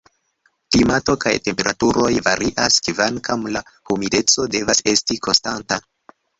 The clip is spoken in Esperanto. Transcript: Klimato kaj temperaturoj varias, kvankam la humideco devas esti konstanta.